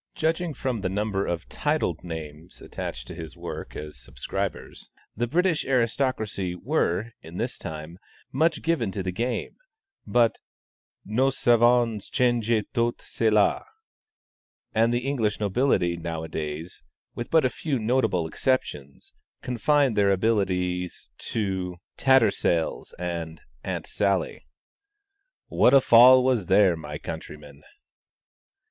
Judging from the number of titled names attached to his work as subscribers, the British aristocracy were, in his time, much given to the game, but "nous avons changé tout cela," and the English nobility nowadays, with but a few notable exceptions, confine their abilities to "Tattersall's" and "Aunt Sally." "What a fall was there, my countrymen!"